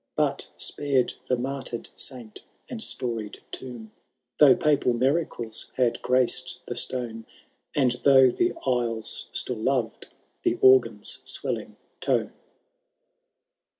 But spared the martyr^ saint and storied tomb. Though papal miiades had graced the stone. And though the aisles still loved the oigan^s swelling tone.